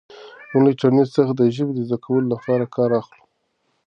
موږ له انټرنیټ څخه د ژبې زده کولو لپاره کار اخلو.